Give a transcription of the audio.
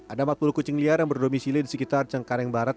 ada empat puluh kucing liar yang berdomisili di sekitar cengkareng barat